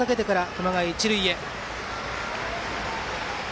熊谷、一塁へ。